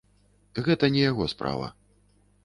Гэта не яго справа.